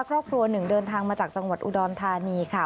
ครอบครัวหนึ่งเดินทางมาจากจังหวัดอุดรธานีค่ะ